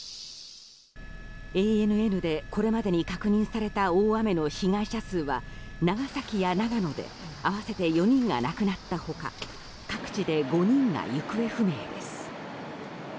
ＡＮＮでこれまでに確認された大雨の被害者数は長崎や長野で合わせて４人が亡くなった他各地で５人が行方不明です。